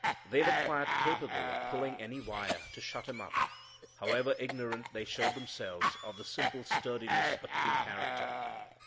They were quite capable of pulling any wire to shut Him up, however ignorant they showed themselves of the simple sturdiness of true character.